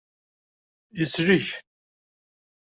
Yeslek.